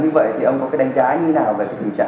như vậy thì ông có cái đánh giá như thế nào về tình trạng